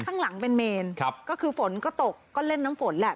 ข้างหลังเป็นเมนครับก็คือฝนก็ตกก็เล่นน้ำฝนแหละ